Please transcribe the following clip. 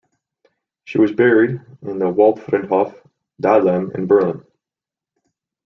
She was buried in the Waldfriedhof Dahlem in Berlin.